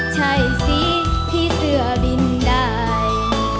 ใช่สิพี่เสื้อบินได้